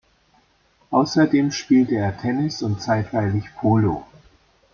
Außerdem spielte er Tennis und zeitweilig Polo.